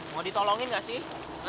mau ditolongin gak sih